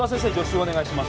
お願いします